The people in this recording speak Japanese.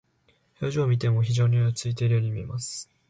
表情を見ても非常に落ち着いているように見えます。